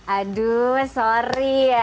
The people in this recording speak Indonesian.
aduh sorry ya